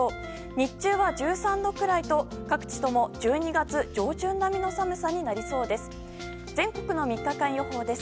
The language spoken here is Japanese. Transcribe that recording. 日中は１３度くらいと各地とも１２月上旬並みの寒さになりそうです。